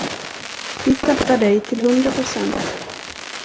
Vi stöttar dig till hundra procent!